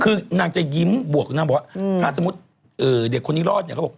คือนางจะยิ้มบวกกับนางบอกว่าถ้าสมมุติเด็กคนนี้รอดเนี่ยเขาบอก